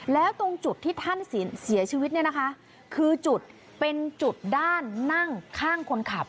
แล้วตรงจุดที่ท่านเสียชีวิตเนี่ยนะคะคือจุดเป็นจุดด้านนั่งข้างคนขับ